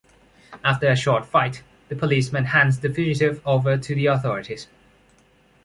After a short fight, the policeman hands the fugitive over to the authorities.